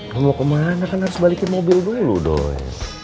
lo mau kemana kan harus balikin mobil dulu doy